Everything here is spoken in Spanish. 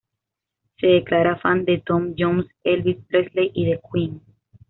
Se declara fan de Tom Jones, Elvis Presley y de Queen.